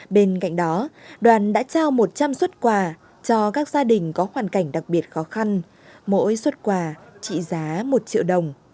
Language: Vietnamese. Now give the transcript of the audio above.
bên cạnh đó đoàn đã trao một trăm linh xuất quà cho các gia đình có hoàn cảnh đặc biệt khó khăn mỗi xuất quà trị giá một triệu đồng